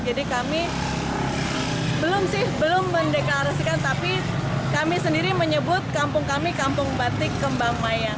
jadi kami belum sih belum mendeklarasikan tapi kami sendiri menyebut kampung kami kampung batik kembang mayang